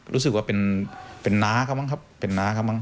รู้สึกว่าเป็นน้าเขามั้งครับเป็นน้าเขามั้